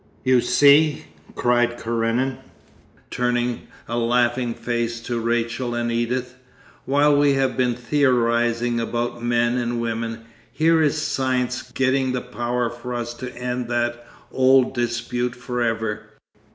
'You see,' cried Karenin, turning a laughing face to Rachel and Edith, 'while we have been theorising about men and women, here is science getting the power for us to end that old dispute for ever.